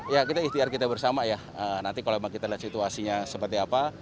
ya kita ikhtiar kita bersama ya nanti kalau memang kita lihat situasinya seperti apa